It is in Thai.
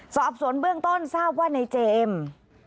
สอบสวนเบื้องต้นทราบว่าในเจมส์